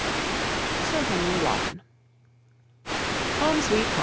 SIR HENRY WOTTON. HOME, SWEET HOME!